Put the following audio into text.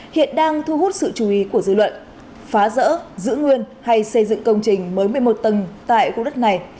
hiện đang thu hút sự chú ý của dư luận phá rỡ giữ nguyên hay xây dựng công trình mới một mươi một tầng tại khu đất này